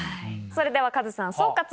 それではカズさん。